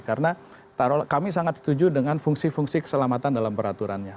karena kami sangat setuju dengan fungsi fungsi keselamatan dalam peraturannya